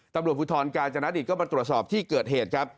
ตำรวจภูทรกาญจนดิตก็มาตรวจสอบที่เกิดเหตุครับ